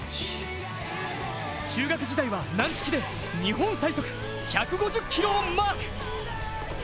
中学時代は軟式で日本最速１５０キロをマーク。